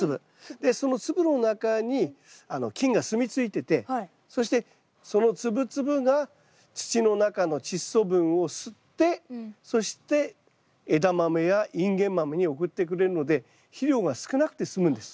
でその粒の中に菌がすみ着いててそしてその粒々が土の中のチッ素分を吸ってそしてエダマメやインゲンマメに送ってくれるので肥料が少なくてすむんです。